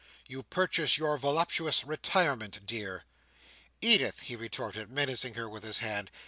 You purchase your voluptuous retirement dear!" "Edith!" he retorted, menacing her with his hand.